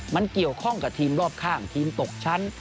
มันเกี่ยวข้องกับทีมรอบข้างทีมตกชั้น